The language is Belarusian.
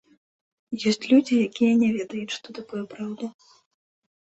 Ёсць людзі, якія не ведаюць, што такое праўда.